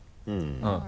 うん。